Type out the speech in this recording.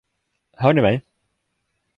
Hör ni mig?